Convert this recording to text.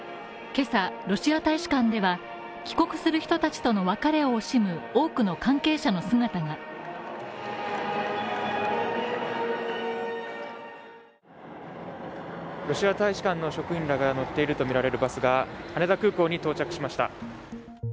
今朝、ロシア大使館では帰国する人たちとの別れを惜しむロシア大使館の職員らが乗っているとみられるバスが羽田空港に到着しました。